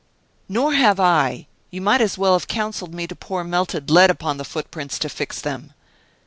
"Nor have I. You might as well have counseled me to pour melted lead upon the footprints to fix them."